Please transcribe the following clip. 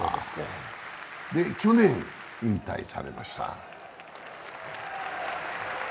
去年、引退されました。